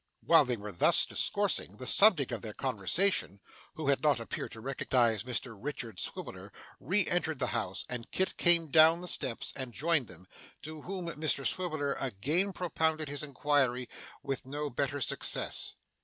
While they were thus discoursing, the subject of their conversation (who had not appeared to recognise Mr Richard Swiveller) re entered the house, and Kit came down the steps and joined them; to whom Mr Swiveller again propounded his inquiry with no better success.